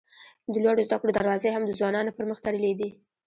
د لوړو زده کړو دروازې هم د ځوانانو پر مخ تړلي دي.